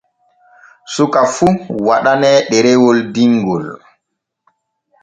Suka fu waɗanee ɗerewol dinŋol.